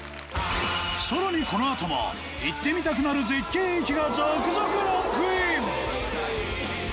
更にこのあとも行ってみたくなる絶景駅が続々ランクイン！